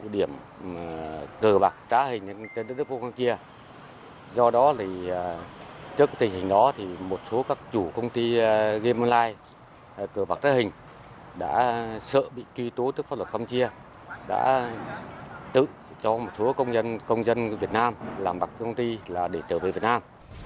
do đó trước tình hình đó một số các chủ công ty game online từ bạc thái hình đã sợ bị truy tố tức pháp luật không chia đã tự cho một số công dân việt nam làm bạc công ty để trở về việt nam